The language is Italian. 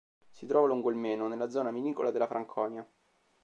Si trova lungo il Meno, nella zona vinicola della Franconia.